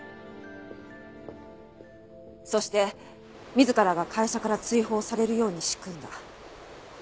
そして自らが会社から追放されるように仕組んだ。